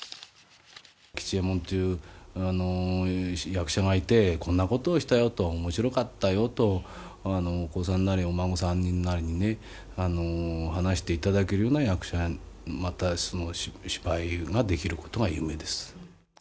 吉右衛門という役者がいてこんなことをしたよと、面白かったよと、お子さんなりお孫さんなりに話していただけるような役者、また芝居ができることが夢です。